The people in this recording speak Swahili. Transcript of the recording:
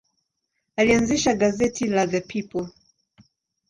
Alianzisha gazeti la The People.